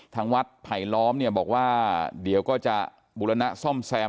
ทางวัดไผลล้อมเนี่ยบอกว่าเดี๋ยวก็จะบุรณะซ่อมแซม